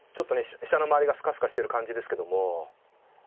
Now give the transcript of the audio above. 飛車の周りがスカスカしてる感じですけども。